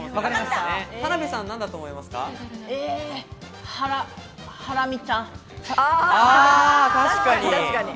田辺さん、なんだと思いますか？